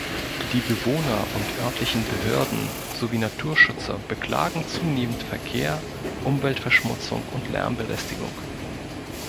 Die Bewohner und örtlichen Behörden sowie Naturschützer beklagen zunehmenden Verkehr, Umweltverschmutzung und Lärmbelästigung.